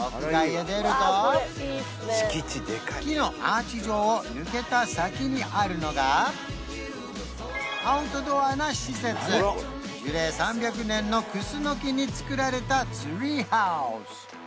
さらに木のアーチ状を抜けた先にあるのがアウトドアな施設樹齢３００年のクスノキにつくられたツリーハウス